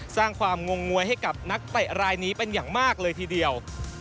สร้างความงงงวยให้กับนักเตะรายนี้เป็นอย่างมากเลยทีเดียว